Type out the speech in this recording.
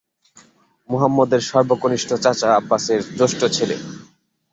মুহাম্মাদের সর্বকনিষ্ঠ চাচা আব্বাসের জ্যেষ্ঠ ছেলে।